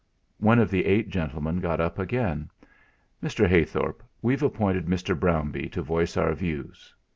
One of the eight gentlemen got up again. "Mr. Heythorp, we've appointed Mr. Brownbee to voice our views.